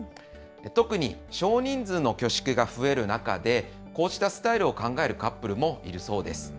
特に少人数の挙式が増える中で、こうしたスタイルを考えるカップルもいるそうです。